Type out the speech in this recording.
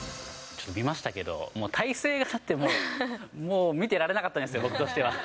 ちょっと見ましたけど、体勢が、もう、見てられなかったです、僕としては。